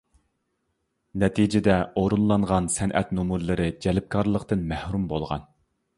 نەتىجىدە ئورۇنلانغان سەنئەت نومۇرلىرى جەلپكارلىقتىن مەھرۇم بولغان.